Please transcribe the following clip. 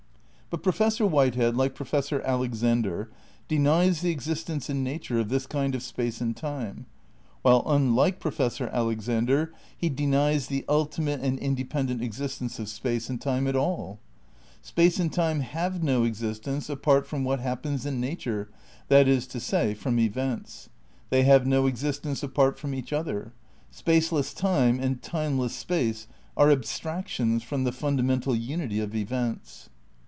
But Professor Whitehead, like Professor Alexander, denies the existence in nature of this kind of space and time, while unlike Professor Alexander, he denies the ultimate and independent existence of space and time ^Enquiry Concerning Prmoiples of Human, Knowledge. The Concept of Nature. Ill THE CRITICAL PREPARATIONS 83 at all. Space and time have no existence apart from what happens in nature, that is to say, from events. They have no existence apart from each other. Space less time and timeless space are ahstractions from the fundamental unity of events.